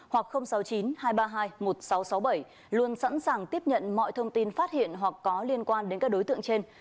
hoặc sáu mươi chín hai trăm ba mươi hai một nghìn sáu trăm sáu mươi bảy luôn sẵn sàng tiếp nhận mọi thông tin phát hiện hoặc có liên quan đến các đối tượng trên